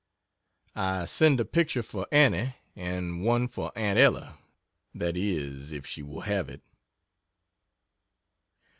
I send a picture for Annie, and one for Aunt Ella that is, if she will have it.